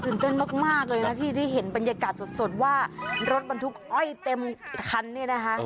เต้นมากเลยนะที่ได้เห็นบรรยากาศสดว่ารถบรรทุกอ้อยเต็มคันเนี่ยนะคะ